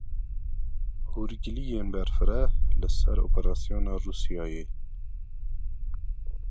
Hûrgiliyên berfireh li ser operasyona Rûsyayê.